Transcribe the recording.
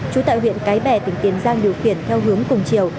trú tại huyện cái bè tỉnh tiền giang điều khiển theo hướng cùng chiều